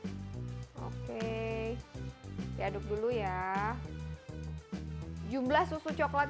menarik untuk anda yang sudah menikmati rasa coklat ini bisa menjadi satu hal yang sangat menarik untuk anda